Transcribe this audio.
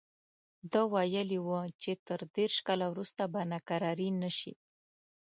ده ویلي وو چې تر دېرش کاله وروسته به ناکراري نه شي.